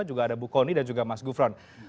juga ada bu kony dan juga mas gufron